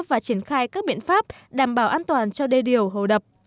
và triển khai các biện pháp đảm bảo an toàn cho đê điều hồ đập